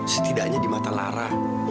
setidaknya di mata lara